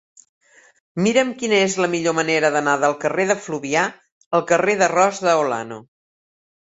Mira'm quina és la millor manera d'anar del carrer de Fluvià al carrer de Ros de Olano.